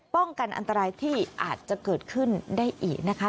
ป้องกันอันตรายที่อาจจะเกิดขึ้นได้อีกนะคะ